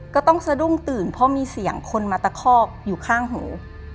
ก็ต้องสะดุ้งตื่นเพราะมีเสียงคนมาตะคอกอยู่ข้างหู